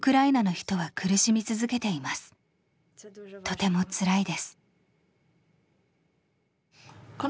とてもつらいです。